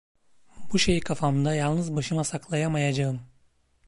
Bu şeyi kafamda yalnız başıma saklayamayacağım.